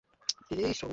আমি সেটা বলিনি।